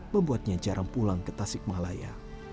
membuatnya jarang pulang ke tasikmalaya